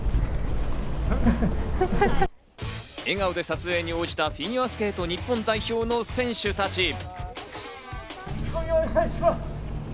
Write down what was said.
笑顔で撮影に応じたフィギュアスケート日本代表の選手たち。